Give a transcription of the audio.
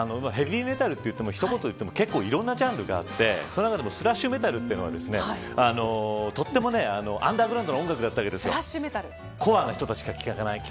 ヘヴィメタルといっても一言でいっても結構いろんなジャンルがあってその中でもスラッシュメタルというのはとてもアンダーグラウンドな音楽だったんです。